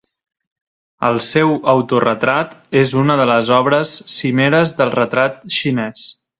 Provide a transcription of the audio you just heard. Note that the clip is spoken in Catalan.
El seu autoretrat és una de les obres cimeres del retrat xinès.